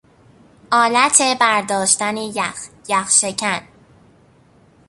آلت برداشتن یخ، یخ شکن